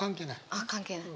あっ関係ない？